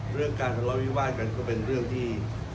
เรื่องการทะเลาะวิวาดกันก็เป็นเรื่องที่